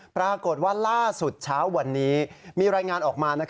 ปรากฏว่าล่าสุดเช้าวันนี้มีรายงานออกมา